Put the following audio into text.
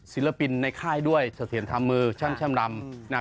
ศิลปินในค่ายด้วยเสถียรทำมือแช่มรำ